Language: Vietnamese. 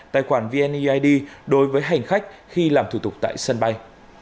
tài khoản vneid đối với hành khách khi làm thủ tục tại sân bay